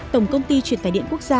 tổng công ty truyền tài điện quốc gia